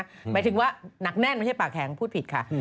หมายถึงว่าหนักแน่นไม่ใช่ปากแข็งพูดผิดค่ะ